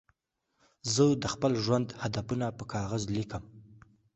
زه د خپل ژوند هدفونه په کاغذ لیکم.